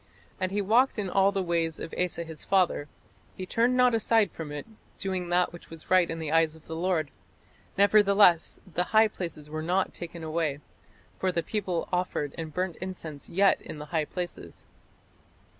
"And he walked in all the ways of Asa his father; he turned not aside from it, doing that which was right in the eyes of the Lord: nevertheless the high places were not taken away; for the people offered and burnt incense yet in the high places."